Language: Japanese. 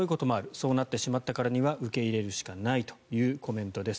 そうなってしまったからには受け入れるしかないというコメントです。